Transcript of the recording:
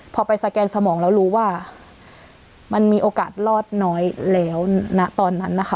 พอไปสแกนสมองแล้วรู้ว่ามันมีโอกาสรอดน้อยแล้วณตอนนั้นนะคะ